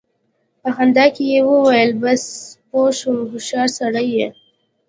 په خندا کې يې وويل: بس! پوه شوم، هوښيار سړی يې!